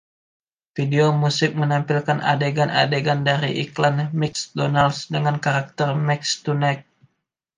Video musik menampilkan adegan-adegan dari iklan McDonald's dengan karakter Mac Tonight.